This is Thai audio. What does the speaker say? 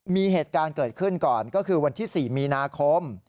มีเหตุการณ์เกิดขึ้นก่อนก็คือวันที่๔มีนาคม